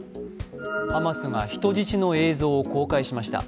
ハマスが人質の映像を公開しました。